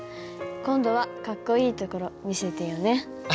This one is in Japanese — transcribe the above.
今度はかっこいいところ見せてよね」。